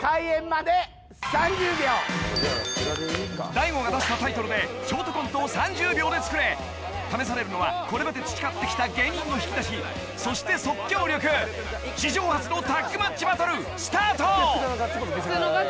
大悟が出したタイトルでショートコントを３０秒で作れ試されるのはこれまで培って来た芸人の引き出しそして即興力史上初のタッグマッチバトルスタート！